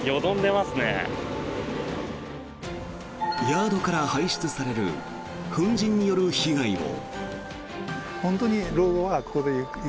ヤードから排出される粉じんによる被害も。